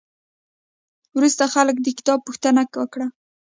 وروسته خلکو د کتاب پوښتنه وکړه.